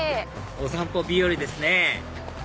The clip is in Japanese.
お散歩日和ですね